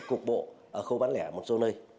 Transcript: cục bộ ở khâu bán lẻ một số nơi